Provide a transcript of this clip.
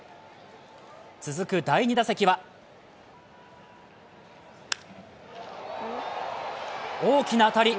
続く第二打席は大きな当たり。